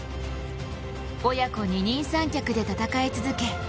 親子二人三脚で戦い続け